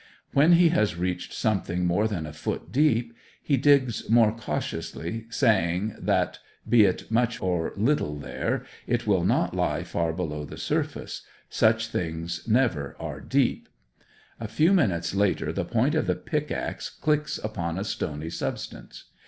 When he has reached something more than a foot deep he digs more cautiously, saying that, be it much or little there, it will not lie far below the surface; such things never are deep. A few minutes later the point of the pickaxe clicks upon a stony substance.